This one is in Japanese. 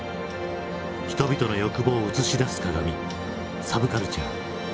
人々の欲望を映し出す鏡サブカルチャー。